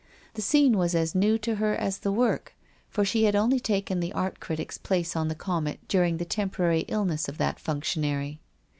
The scene was as new to her as the work ; for she had only taken the art critic's place on the Comet during the temporary illness of that functionary.